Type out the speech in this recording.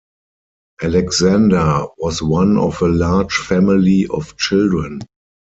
Alexander was one of a large family of children.